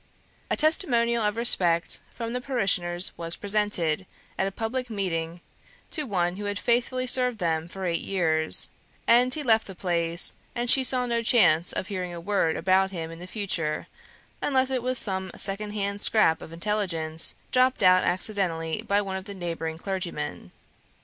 A testimonial of respect from the parishioners was presented, at a public meeting, to one who had faithfully served them for eight years: and he left the place, and she saw no chance of hearing a word about him in the future, unless it was some second hand scrap of intelligence, dropped out accidentally by one of the neighbouring clergymen.